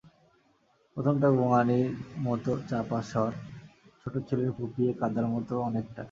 প্রথমটা গোঙানির মতো চাপা একটা স্বর, ছোটছেলের ফুঁপিয়ে কাঁদার মতো অনেকটা।